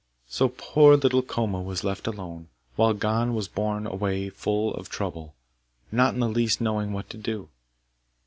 So poor little Koma was left alone, while Gon was borne away full of trouble, not in the least knowing what to do.